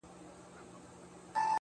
و ماته به د دې وطن د کاڼو ضرورت سي.